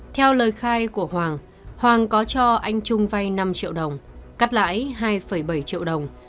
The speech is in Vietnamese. theo lời khai của hoàng hoàng có cho anh trung vay năm triệu đồng cắt lãi hai bảy triệu đồng